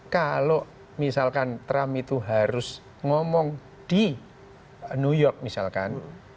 kalau misalkan trump itu harus ngomong di new york misalkan